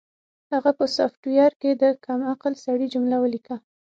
هغه په سافټویر کې د کم عقل سړي جمله ولیکله